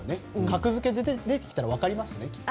「格付け」出てきたら分かりますよね。